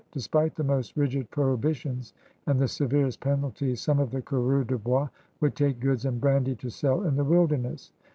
Despite the most rigid prohibitions and the severest penalties, some of the caureurs'de'bois would take goods and brandy to sell in the wilderness.